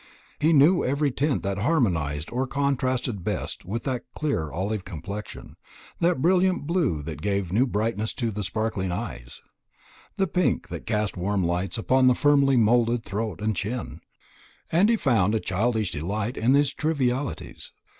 He knew every tint that harmonised or contrasted best with that clear olive complexion the brilliant blue that gave new brightness to the sparkling grey eyes, the pink that cast warm lights upon the firmly moulded throat and chin and he found a childish delight in these trivialities.